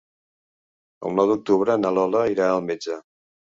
El nou d'octubre na Lola irà al metge.